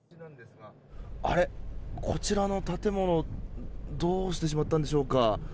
こちらの建物どうしてしまったんでしょうか。